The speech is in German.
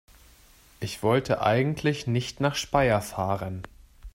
Ich wollte eigentlich nicht nach Speyer fahren